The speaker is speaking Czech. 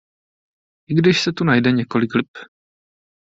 I když se tu najde několik lip.